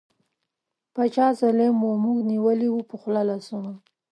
باچا ظالیم وو موږ نیولي وو په خوله لاسونه